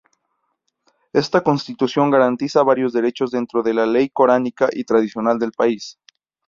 Esta constitución garantiza varios derechos dentro de la ley coránica y tradicional del país.